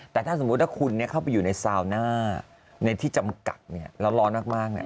แต่ถ้าสมมุติว่าคุณเข้าไปอยู่ในซาวน่าในที่จำกัดแล้วร้อนมาก